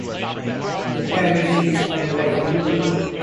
The parish is otherwise rural.